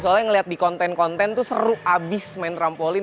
soalnya ngeliat di konten konten tuh seru abis main trampolin